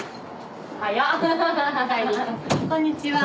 こんにちは。